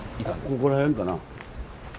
ここら辺かな。